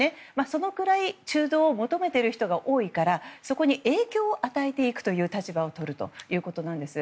そのくらい中道を求めている人が多いからそこに影響を与えていくという立場をとるということなんです。